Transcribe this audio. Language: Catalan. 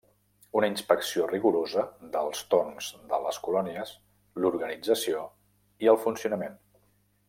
Una inspecció rigorosa dels torns de les colònies, l’organització i el funcionament.